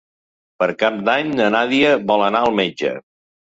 Per Cap d'Any na Nàdia vol anar al metge.